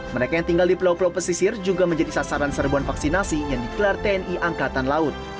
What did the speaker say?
mereka yang tinggal di pulau pulau pesisir juga menjadi sasaran serbuan vaksinasi yang dikelar tni angkatan laut